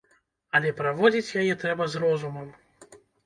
Але праводзіць яе трэба з розумам!